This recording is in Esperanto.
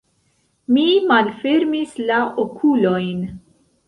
Mi malfermis la okulojn.